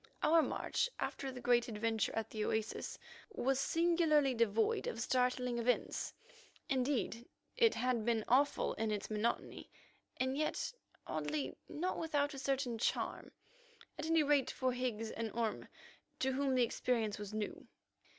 Our march, after the great adventure at the oasis, was singularly devoid of startling events. Indeed, it had been awful in its monotony, and yet, oddly enough, not without a certain charm—at any rate for Higgs and Orme, to whom the experience was new.